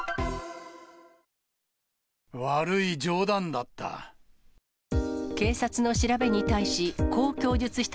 悪い冗談だった。